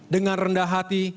dengan rendah hati